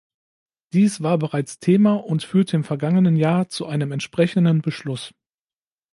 Dies war bereits Thema und führte im vergangenen Jahr zu einem entsprechenden Beschluss.